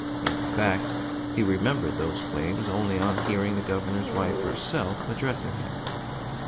In fact, he remembered those claims only on hearing the Governor's wife herself addressing him.